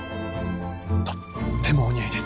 とってもお似合いです。